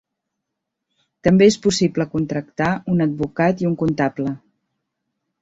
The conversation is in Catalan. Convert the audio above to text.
També és possible contractar un advocat i un comptable.